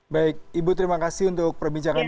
terima kasih baik ibu terima kasih untuk perbincangan